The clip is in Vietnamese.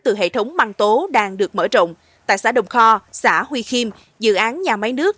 từ hệ thống măng tố đang được mở rộng tại xã đồng kho xã huy khiêm dự án nhà máy nước